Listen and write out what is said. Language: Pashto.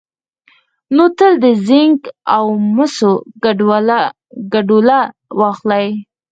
نو تل د زېنک او مسو ګډوله واخلئ،